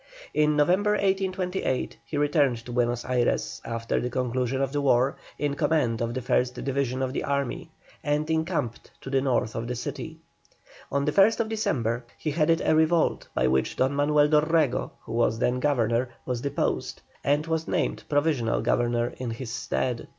In November, 1828, he returned to Buenos Ayres, after the conclusion of the war, in command of the first division of the army, and encamped to the north of the city. On the 1st December he headed a revolt by which Don Manuel Dorrego, who was then Governor, was deposed, and was named Provisional Governor in his stead.